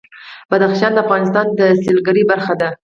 بدخشان د افغانستان د سیلګرۍ برخه ده.